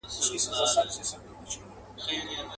تا خو د کونړ د یکه زار کیسې لیکلي دي.